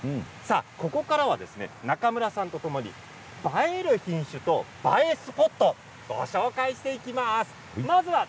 ここからは中村さんとともに映える品種と映えスポットをご紹介していきます。